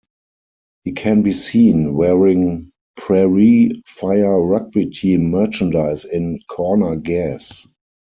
He can be seen wearing Prairie Fire rugby team merchandise in "Corner Gas".